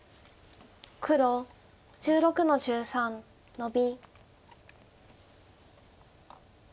黒１６の十三ノビ。